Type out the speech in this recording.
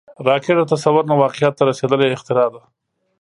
راکټ د تصور نه واقعیت ته رسیدلی اختراع ده